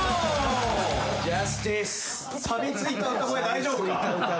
大丈夫か？